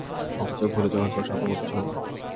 অথচ ভুলে যাওয়ার দোষ আমার মধ্যে ছিল না।